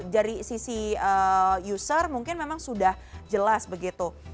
dari sisi user mungkin memang sudah jelas begitu